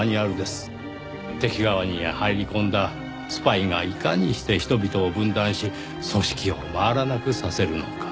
敵側に入り込んだスパイがいかにして人々を分断し組織を回らなくさせるのか。